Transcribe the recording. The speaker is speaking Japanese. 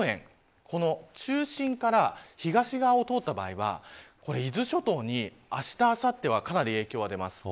この予報円中心から東側を通った場合は伊豆諸島にあした、あさってはかなり影響が出ます。